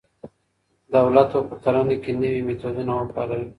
دولت به په کرنه کي نوي میتودونه وکاروي.